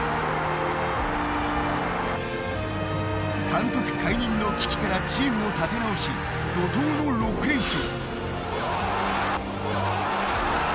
監督解任の危機からチームを立て直し怒涛の６連勝。